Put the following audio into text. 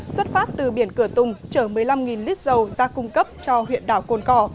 xuất phát từ biển cửa tùng chở một mươi năm lít dầu ra cung cấp cho huyện đảo cồn cỏ